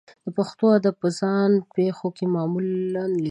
د پښتو ادب په ځان پېښو کې معمولا لیکوال